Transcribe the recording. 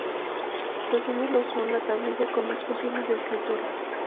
Sus símbolos son la tablilla con los útiles de escritura.